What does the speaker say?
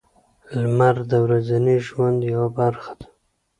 • لمر د ورځني ژوند یوه برخه ده.